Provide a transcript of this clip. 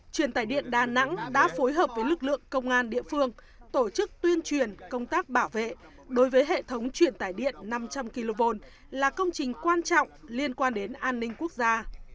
truyền tải điện đà nẵng đã phối hợp với lực lượng công an địa phương tổ chức tuyên truyền công tác bảo vệ đối với hệ thống truyền tải điện năm trăm linh kv là công trình quan trọng liên quan đến an ninh quốc gia